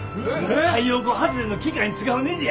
太陽光発電の機械に使うねじや。